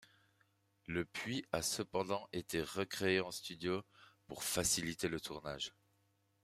Le puits a cependant été recréé en studio pour faciliter le tournage.